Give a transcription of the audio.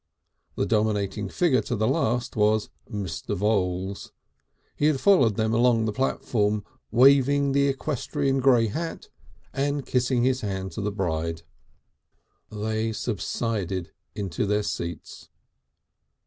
The dominating figure to the last was Mr. Voules. He had followed them along the platform waving the equestrian grey hat and kissing his hand to the bride. They subsided into their seats.